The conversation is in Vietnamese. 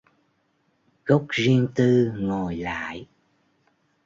Góc riêng tư ngồi lại